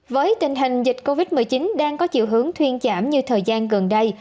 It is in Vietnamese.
với tình hình dịch covid một mươi chín đang có chiều hướng thuyên giảm như thời gian gần đây